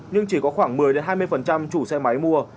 nhưng chỉ có khoảng một mươi hai mươi chủ xe máy mua